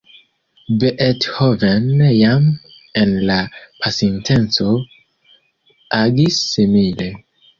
Beethoven jam en la pasinteco agis simile.